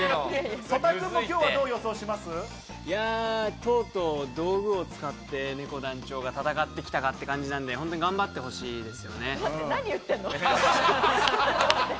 とうとう道具を使って、ねこ団長が戦ってきたかという感じなので頑張ってほしいです。